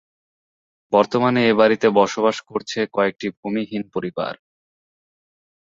বর্তমানে এ বাড়িতে বসবাস করছে কয়েকটি ভূমিহীন পরিবার।